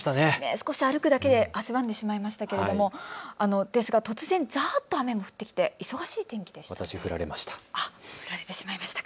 少し歩くだけで汗ばんでしまいましたけれども、ですが突然ざーっと雨も降ってきて忙しい天気でした。